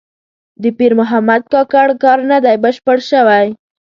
د پیر محمد کاکړ کار نه دی بشپړ شوی.